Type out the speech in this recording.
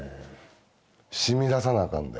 しみ出さなあかんで。